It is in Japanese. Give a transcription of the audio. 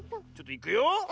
ちょっといくよ。